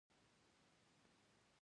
د نخود دانه د څه لپاره وکاروم؟